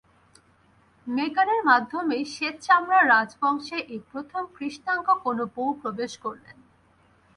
মেগানের মাধ্যমেই শ্বেত চামড়ার রাজবংশে এই প্রথম কৃষ্ণাঙ্গ কোনো বউ প্রবেশ করলেন।